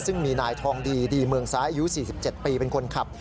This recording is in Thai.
ซึ่งมีนายทองดีดีเมืองซ้ายอายุ๔๗ปีเป็นคนขับ